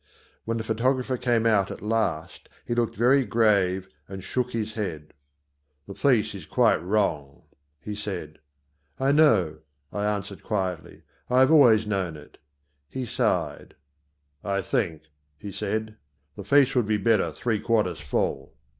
When the photographer came out at last, he looked very grave and shook his head. "The face is quite wrong," he said. "I know," I answered quietly; "I have always known it." He sighed. "I think," he said, "the face would be better three quarters full."